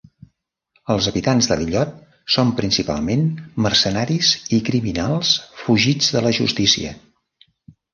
Els habitants de l'illot són principalment mercenaris i criminals fugits de la justícia.